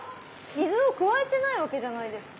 水を加えてないわけじゃないですか。